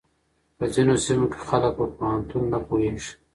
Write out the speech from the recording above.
په ځينو سيمو کې خلک په پوهنتون نه پوهېږي.